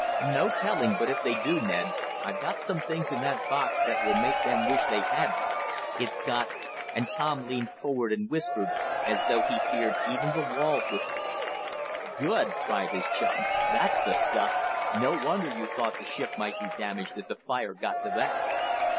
"No telling, but if they do, Ned, I've got some things in that box that will make them wish they hadn't. It's got " and Tom leaned forward and whispered, as though he feared even the walls would hear. "Good!" cried his chum! "That's the stuff! No wonder you thought the ship might be damaged if the fire got to that!"